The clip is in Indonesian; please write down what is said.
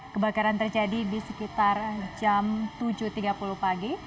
kebakaran terjadi di sekitar jam tujuh tiga puluh pagi